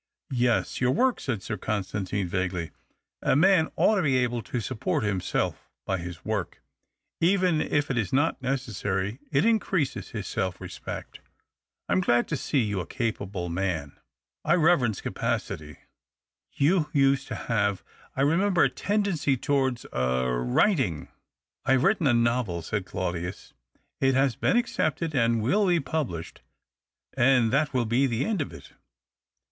" Yes, your work," said Sir Constantine, vaguely. " A man ought to be able to support himself by his work — even if it is not necessary it increases his self respect. I am glad to see you a capaljle man. I reverence capacity. You used to have, I remember, a tendency tow^ards — er — writing." " I have written a novel," said Claudius. " It has been accepted, and will be published — and that will be the end of it."